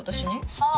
さあ。